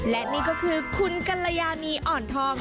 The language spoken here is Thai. และนี่ก็คือคุณกัลยานีอ่อนทอง